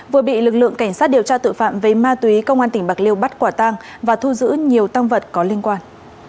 vừa bị lực lượng cảnh sát điều tra tội phạm về ma túy công an tỉnh bạc liêu bắt quả tang và thu giữ nhiều tăng vật có liên quan